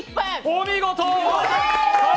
お見事！